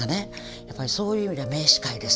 やっぱりそういう意味では名司会ですよね。